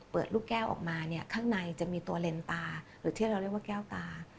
ลูกแก้วออกมาเนี่ยข้างในจะมีตัวเลนตาหรือที่เราเรียกว่าแก้วตา